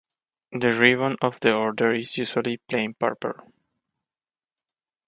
The "ribbon" of the Order is usually plain purple.